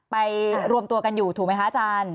ไปรวมตัวกันอยู่ถูกไหมคะอาจารย์